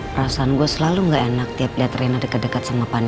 perasaan gue selalu gak enak tiap liat rena deket deket sama panino